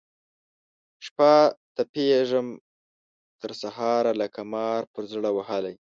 شپه تپېږم تر سهاره لکه مار پر زړه وهلی